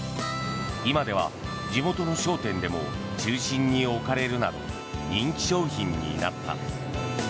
今では地元の商店でも中心に置かれるなど人気商品になった。